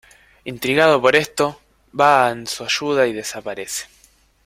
Intrigado por esto, va en su ayuda y desaparece.